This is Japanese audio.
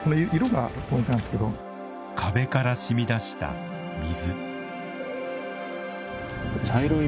壁から、しみ出した水。